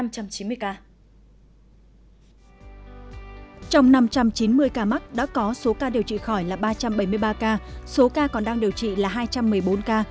trong năm trăm chín mươi ca mắc đã có số ca điều trị khỏi là ba trăm bảy mươi ba ca số ca còn đang điều trị là hai trăm một mươi bốn ca